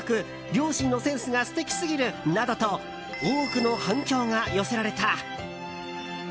両親のセンスが素敵すぎるなどと多くの反響が寄せられた。